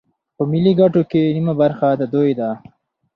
په ملي ګټو کې نیمه برخه د دوی ده